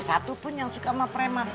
satupun yang suka sama preman